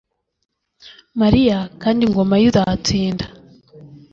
mariya, kandi ingoma ye izatsinda